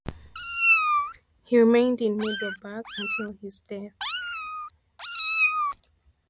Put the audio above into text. He remained in Middelburg until his death.